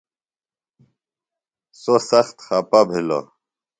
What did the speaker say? سوۡ سخت خپہ بِھلوۡ۔